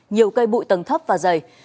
nhiều cây bụi tầng thấp và dày